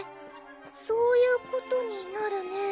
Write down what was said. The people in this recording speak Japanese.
そういうことになるね